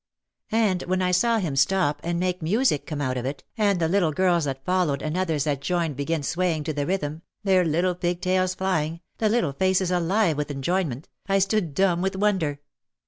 And when I saw him stop and make music come out of it, and the little girls that followed and others that joined begin swaying to the rhythm, their little pigtails flying, the little faces alive with enjoyment, I stood dumb with won der.